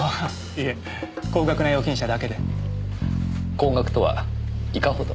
高額とはいかほど？